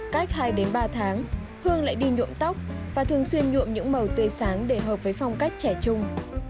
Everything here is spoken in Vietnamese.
cách hai đến ba tháng hương lại đi nhuộm tóc và thường xuyên nhuộm những màu tươi sáng để hợp với phong cách trẻ trung